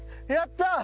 やった！